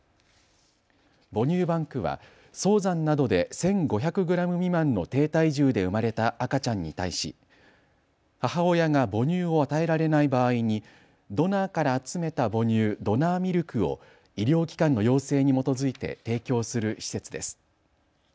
母乳バンクは早産などで１５００グラム未満の低体重で生まれた赤ちゃんに対し、母親が母乳を与えられない場合にドナーから集めた母乳、ドナーミルクを医療機関の要請に基づいて提供する施設です。